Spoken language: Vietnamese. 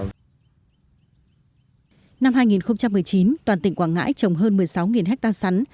năm hai nghìn một mươi chín toàn tỉnh quảng ngãi trồng hơn một mươi sáu hectare sắn